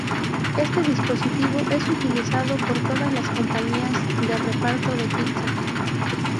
Este dispositivo es utilizado por todas las compañías de reparto de pizza.